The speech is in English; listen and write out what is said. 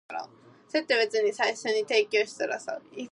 Pack animals may be fitted with pack saddles and may also carry saddlebags.